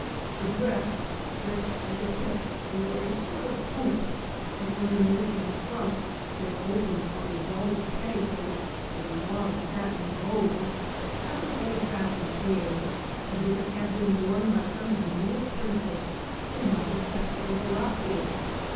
The dress, stretched at the hips over a sort of hoop, and ornamented in front, where it opens on a velvet petticoat, with large satin bows, has an old fashioned air, as if it had been worn by some demure princess who might have sat for Velasquez.